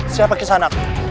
siapa kisah anak